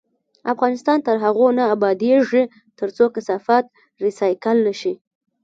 افغانستان تر هغو نه ابادیږي، ترڅو کثافات ریسایکل نشي.